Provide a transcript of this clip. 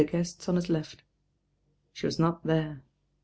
guests on his left. She was not there.